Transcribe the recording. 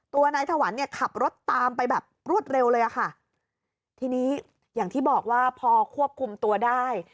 ตัวนายถวันเนี่ยขับรถตามไปแบบรวดเร็วเลยอ่ะค่ะทีนี้อย่างที่บอกว่าพอควบคุมตัวได้